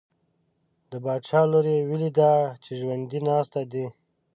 د باچا لور یې ولیده چې ژوندی ناسته ده.